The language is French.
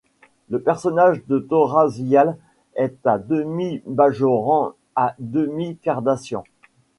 Le personnage de Tora Ziyal est à demi-bajoran, à demi-cardassian.